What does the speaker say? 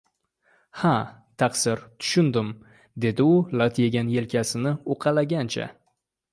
– Ha, taqsir, tushundim, – debdi u lat yegan yelkasini uqalagancha.